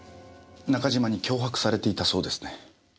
中島に脅迫されていたそうですね。